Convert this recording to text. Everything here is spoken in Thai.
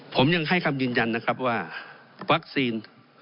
ผมยังให้คำยืนยันนะครับว่าวัคซีน